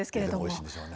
おいしいんでしょうね。